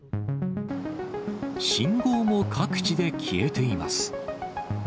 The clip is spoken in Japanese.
信号も各地で消えています。